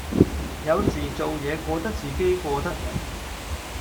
有時做野過得自己過得人